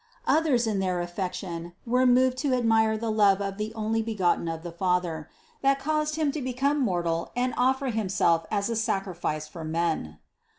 Others in their affection were moved to admire the love of the Onlybegotten of the Father, that caused Him to become mortal and offer Himself as a sacrifice for men.